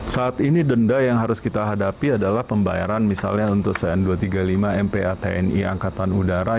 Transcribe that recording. saat ini denda yang harus kita hadapi adalah pembayaran misalnya untuk cn dua ratus tiga puluh lima mpa tni angkatan udara